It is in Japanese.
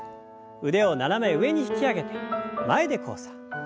腕を斜め上に引き上げて前で交差。